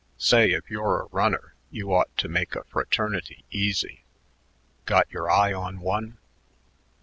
Say, if you're a runner you ought to make a fraternity easy. Got your eye on one?"